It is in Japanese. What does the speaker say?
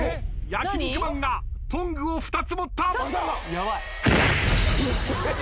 焼肉マンがトングを２つ持った。